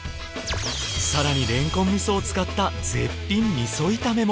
更にれんこん味噌を使った絶品味噌炒めも